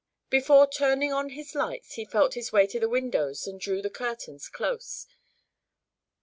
Before turning on his lights he felt his way to the windows and drew the curtains close.